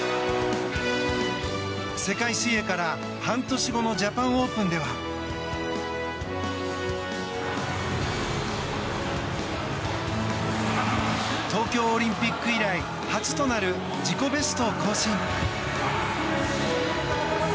世界水泳から半年後のジャパンオープンでは東京オリンピック以来初となる自己ベストを更新。